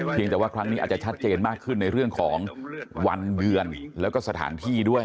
แต่ว่าครั้งนี้อาจจะชัดเจนมากขึ้นในเรื่องของวันเดือนแล้วก็สถานที่ด้วย